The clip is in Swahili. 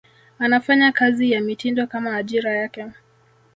anafanya kazi ya mitindo Kama ajira yake